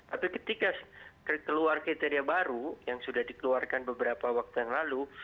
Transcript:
jadi ketika keluar kriteria baru yang sudah dikeluarkan beberapa waktu yang lalu